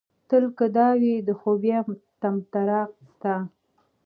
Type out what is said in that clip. تل که دا وي د خوبيه طمطراق ستا